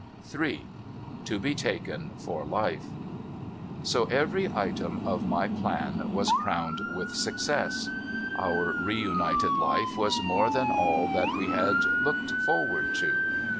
Ill TO BE TAKEN FOR LIFE So every item of my plan was crowned with success. Our re united life was more than all that we had looked forward to.